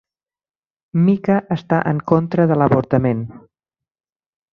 Mica està en contra de l'avortament.